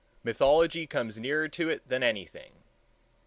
Mythology comes nearer to it than anything.